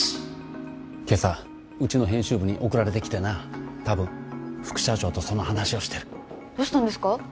今朝うちの編集部に送られてきてな多分副社長とその話をしてるどうしたんですか？